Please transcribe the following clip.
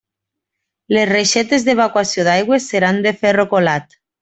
Les reixetes d'evacuació d'aigües seran de ferro colat.